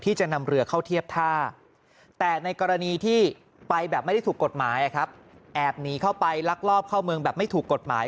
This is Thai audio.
จะนำเรือเข้าเทียบท่าแต่ในกรณีที่ไปแบบไม่ได้ถูกกฎหมายแอบหนีเข้าไปลักลอบเข้าเมืองแบบไม่ถูกกฎหมาย